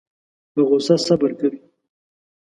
په غوسه صبر کوي.